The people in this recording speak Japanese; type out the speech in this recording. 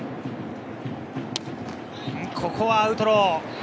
ここはアウトロー。